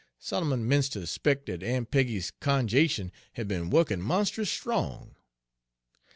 Solomon 'mence' ter 'spec' dat Aun' Peggy's cunj'ation had be'n wukkin' monst'us strong.